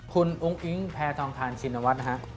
คุณอุ้งอิ๊งแพทองทานชินวัฒน์นะฮะ